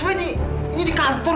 apaan sih ini di kantor loh